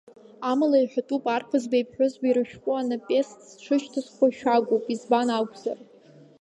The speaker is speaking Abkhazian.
Амала иҳәатәуп, Арԥызбеи аԥҳәызбеи рышәҟәы анапест зҽышьҭызхуа шәагоуп, избан акәзар…